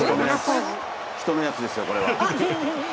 人のやつですよ、これは。